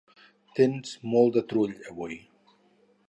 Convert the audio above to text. Tens molt de trull avui?